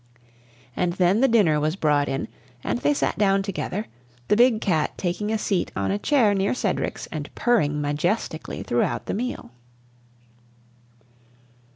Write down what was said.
And then the dinner was brought in and they sat down together, the big cat taking a seat on a chair near Cedric's and purring majestically throughout the meal.